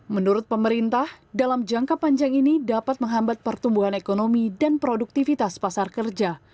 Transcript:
menurut pemerintah dalam jangka panjang ini dapat menghambat pertumbuhan ekonomi dan produktivitas pasar kerja